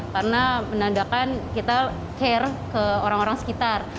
karena menandakan kita care ke orang orang sekitar